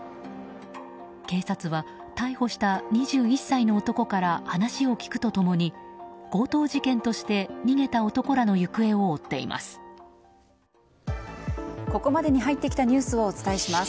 警察は、逮捕した２１歳の男から話を聞くと共に強盗事件として逃げた男らの行方を追っています。